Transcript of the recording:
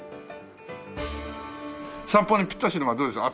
散歩にぴったしのはどれでしょう？